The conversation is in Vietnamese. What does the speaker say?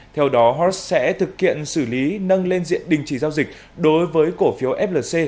theo đó hot sẽ thực hiện xử lý nâng lên diện đình chỉ giao dịch đối với cổ phiếu flc